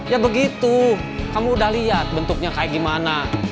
ya begitu kamu udah lihat bentuknya kayak gimana